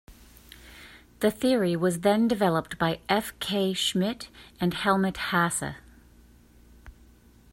The theory was then developed by F. K. Schmidt and Helmut Hasse.